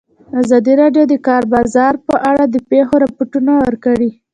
ازادي راډیو د د کار بازار په اړه د پېښو رپوټونه ورکړي.